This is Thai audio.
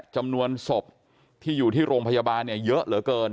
จำนวนศพที่อยู่ที่โรงพยาบาลเนี่ยเยอะเหลือเกิน